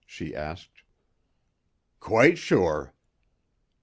she asked. "Quite sure."